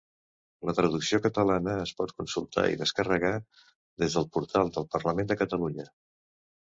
La traducció catalana es pot consultar i descarregar des del portal del Parlament de Catalunya.